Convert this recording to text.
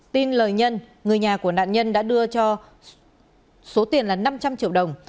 tin lời nhân người nhà của nạn nhân đã đưa cho số tiền là năm trăm linh triệu đồng